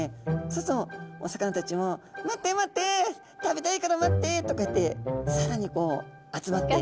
そうするとお魚たちも「待って待って食べたいから待って」ってこうやってさらに集まって。